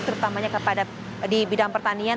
terutamanya di bidang pertanian